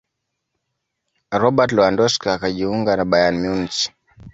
robert lewandowsk akajiunga na bayern munich